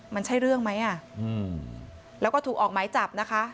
มันใช่เรื่องไหมอ่ะแล้วก็ถูกออกหมายจับนะคะ